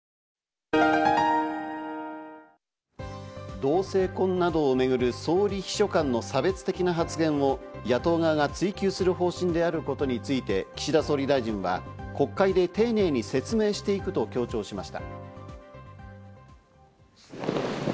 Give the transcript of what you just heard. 同性婚などを巡る総理秘書官の差別的な発言を野党側が追及する方針であることについて、岸田総理大臣は国会で丁寧に説明していくと強調しました。